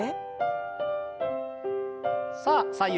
さあ左右